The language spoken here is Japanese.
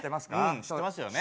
知ってますよね。